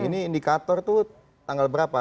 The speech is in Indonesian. ini indikator itu tanggal berapa